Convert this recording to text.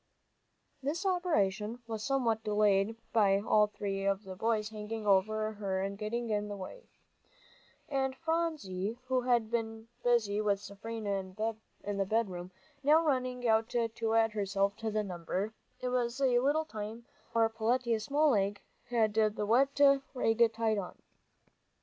This operation was somewhat delayed by all three of the boys hanging over her and getting in the way. And Phronsie, who had been busy with Seraphina in the bedroom, now running out to add herself to the number, it was a little time before Peletiah's small leg had the wet rag tied on.